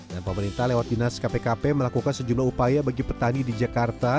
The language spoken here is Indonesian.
dan pemerintah lewat dinas kpkp melakukan sejumlah upaya bagi petani di jakarta